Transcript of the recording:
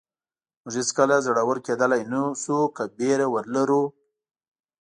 موږ هېڅکله زړور کېدلی نه شو که وېره ولرو.